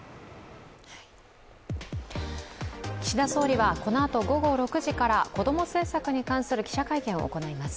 岸田総理はこのあと午後６時から子ども政策に関する記者会見を行います。